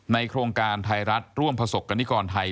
โครงการไทยรัฐร่วมประสบกรณิกรไทย